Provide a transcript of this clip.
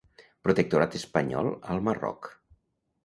Protectorat espanyol al Marroc.